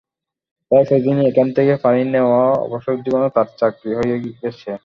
তাই প্রতিদিন এখান থেকে পানি নেওয়া অবসরজীবনে তাঁর চাকরি হয়ে গেছে।